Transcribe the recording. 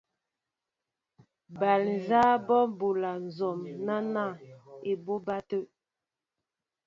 Bal nzáá bɔ́ bola nzɔm náná ébobá tê.